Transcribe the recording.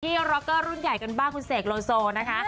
ร็อกเกอร์รุ่นใหญ่กันบ้างคุณเสกโลโซนะคะ